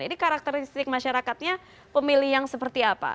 ini karakteristik masyarakatnya pemilih yang seperti apa